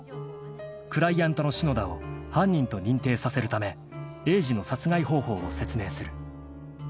［クライアントの篠田を犯人と認定させるため栄治の殺害方法を説明する］